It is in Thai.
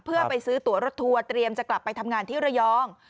เพื่อไปซื้อตัวรถทัวร์เตรียมจะกลับไปทำงานที่ระยอง